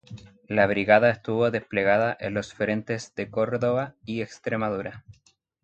La brigada estuvo desplegada en los frentes de Córdoba y Extremadura.